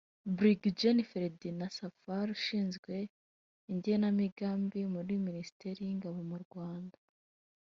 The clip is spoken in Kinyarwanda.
Brig Gen Ferdinand Safari ushinzwe igenamigambi muri Minisiteri y’Ingabo mu Rwanda